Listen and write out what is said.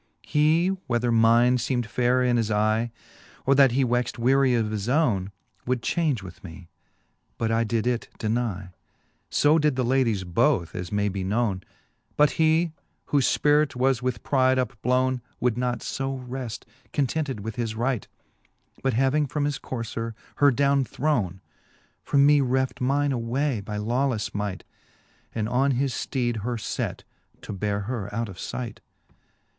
He, whether mine feemM fayrer in his eye, Or that he wexed weary of his owne, Would change with me ; but I did it denye j So did the ladies both, as may be knowne: But he, whofe Spirit was with pride upblowne, Would not fb reft contented with his right, But having from his courier her downe throwne, From me reft mine away by lawlefle might. And on his fteed her let, to beare her out of light.